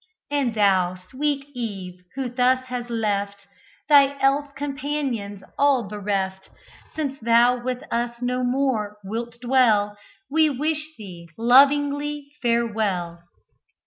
And thou, sweet Eve, who thus has left Thy elf companions all bereft, Since thou with us no more wilt dwell, We wish thee, lovingly, farewell."